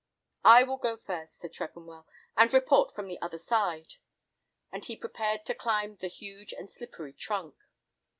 "I will go first," said Tregonwell, "and report from the other side," and he prepared to climb the huge and slippery trunk.